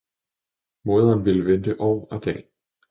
Moderen ville vente år og dag.